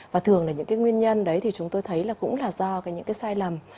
và thường là những cái nguyên nhân đấy thì chúng tôi thấy là cũng là do những cái sai lầm